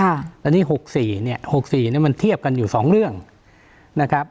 อันนี้๖๔เนี่ย๖๔เนี่ยมันเทียบกันอยู่สองเรื่องนะครับ